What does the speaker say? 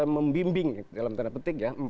membimbing dalam tanda petik ya